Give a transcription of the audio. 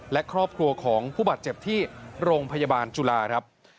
และครอบครัวของผู้บาดเจ็บที่โรงพยาบาลจุฬาครับ